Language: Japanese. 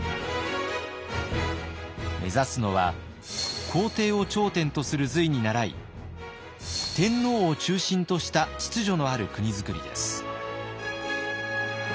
目指すのは皇帝を頂点とする隋に倣い天皇を中心とした秩序のある国づくりです。